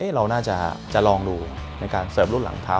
เราน่าจะลองดูในการเสริมรุ่นหลังทำ